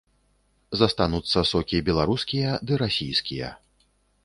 Застануцца сокі беларускія ды расійскія.